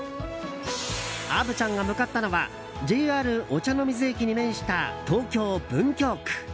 虻ちゃんが向かったのはＪＲ御茶ノ水駅に面した東京・文京区。